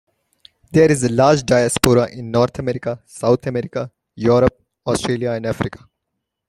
There is a large diaspora in North America, South America, Europe, Australia and Africa.